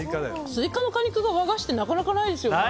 スイカの果肉が和菓子ってなかなかないですよね。